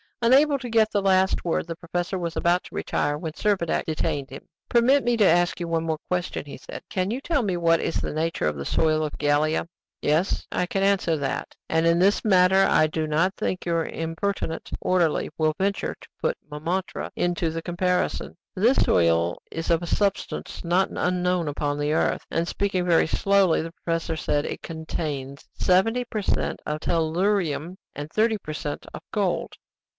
Unable to get the last word, the professor was about to retire, when Servadac detained him. "Permit me to ask you one more question," he said. "Can you tell me what is the nature of the soil of Gallia?" "Yes, I can answer that. And in this matter I do not think your impertinent orderly will venture to put Montmartre into the comparison. This soil is of a substance not unknown upon the earth." And speaking very slowly, the professor said: "It contains 70 per cent. of tellurium, and 30 per cent. of gold."